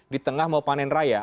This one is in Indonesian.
di tengah mau panen raya